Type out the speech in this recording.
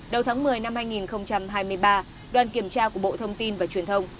đầu tháng một mươi năm hai nghìn hai mươi ba đoàn kiểm tra của bộ thông tin và truyền thông